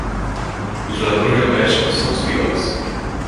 Os ladrões domésticos são os piores.